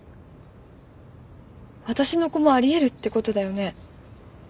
私の子もあり得るってことだよね？